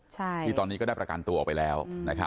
ที่ตอนนี้ก็ได้ประกันตัวออกไปแล้ว